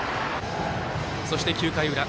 そして、９回裏。